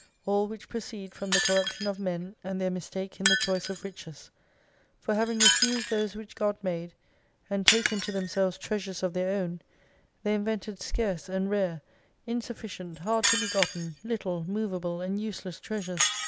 All which proceed from the corruption of Men and their mistake in the choice of riches : for having refused those which God made, and taken to themselves 22 treasures of their own, they invented scarce and rare, insufficient, hard to be gotten, little, movable and useless treasures.